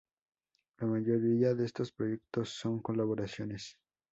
La mayoría de estos proyectos son colaboraciones.